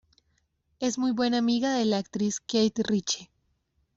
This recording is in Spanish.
Es muy buena amiga de la actriz Kate Ritchie.